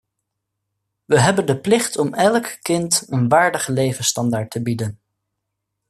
We hebben de plicht om elk kind een waardige levensstandaard te bieden.